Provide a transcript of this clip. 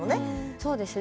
そうですね。